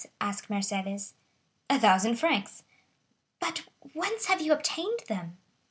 asked Mercédès. "A thousand francs." "But whence have you obtained them?"